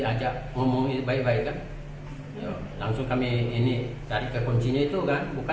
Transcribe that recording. negeri ini akan memberikan pengambilan maklum agensi sosial baru saat berantakan